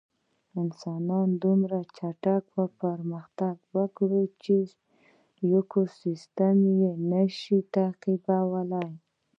انسان دومره چټک پرمختګ وکړ چې ایکوسېسټم یې نهشوی تعقیبولی.